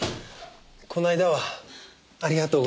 この間はありがとうございました。